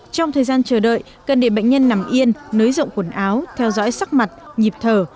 trong thời gian chờ đợi cần để bệnh nhân nằm yên nới rộng quần áo theo dõi sắc mặt nhịp thở